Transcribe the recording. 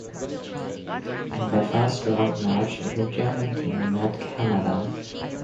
In the first round match the German team met Canada.